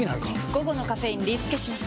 午後のカフェインリスケします！